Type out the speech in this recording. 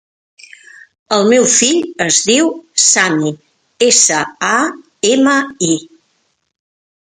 El meu fill es diu Sami: essa, a, ema, i.